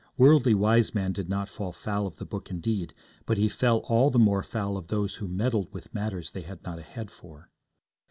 Worldly Wiseman did not fall foul of the Book indeed, but he fell all the more foul of those who meddled with matters they had not a head for.